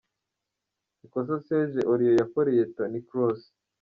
Ikosa Serge Aurier yakoreye Toni Kroos.